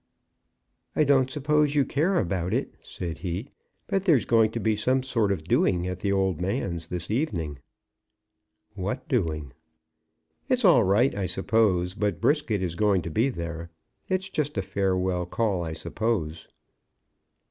"I don't suppose you care about it," said he, "but there's going to be some sort of doing at the old man's this evening." "What doing?" "It's all right, I suppose; but Brisket is going to be there. It's just a farewell call, I suppose."